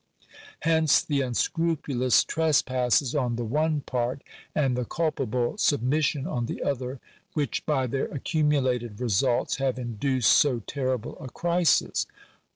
Hence the unscrupulous trespasses on the one part, and the culpable submission on the other, which, by their accumulated results, have induced so terrible a crisis.